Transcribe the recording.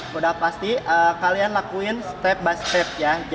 kami melakukan step by step